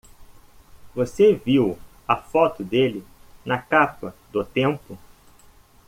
Você viu a foto dele na capa do Tempo?